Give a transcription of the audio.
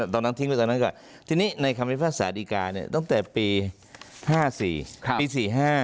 ตอนนั้นทิ้งไว้ตอนนั้นก่อนทีนี้ในคำพิพากษาดีกาเนี่ยตั้งแต่ปี๕๔ปี๔๕